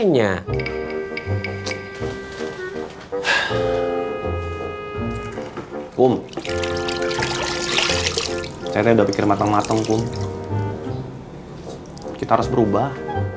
punya umpun saya udah pikir matang matang kum kita harus berubah